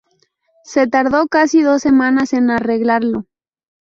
Se tardó casi dos semanas en arreglarlo.